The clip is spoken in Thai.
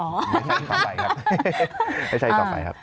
จะมีอะไรกฎฮะไม่ต่อไปครับ